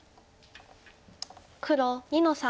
黒２の三。